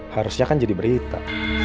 harusnya kan jadi berita